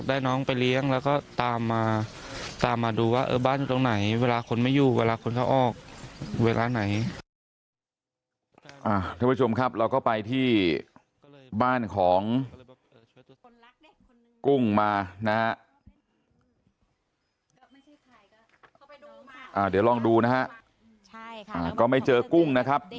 เดี๋ยวลองดูนะครับกับไม่เจอกุ้งนะครับ